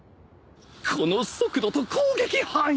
この速度と攻撃範囲